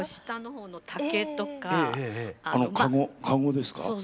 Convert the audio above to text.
下の方の竹とか籠ですか？